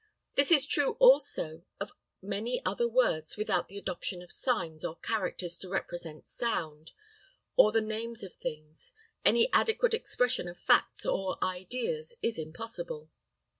This is true also of many other words without the adoption of signs or characters to represent sound, or the names of things, any adequate expression of facts or ideas is impossible.